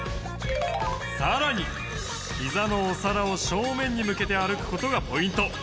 さらにひざのお皿を正面に向けて歩く事がポイント！